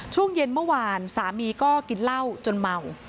ช่วงเย็นเมื่อวานสามีก็กินเหล้าจนเมา